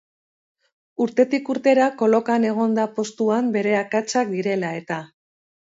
Urtetik urtera kolokan egon da postuan, bere akatsak direla eta.